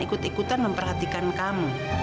ikut ikutan memperhatikan kamu